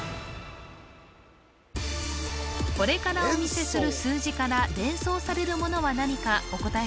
これからお見せする数字から連想されるものは何かお答え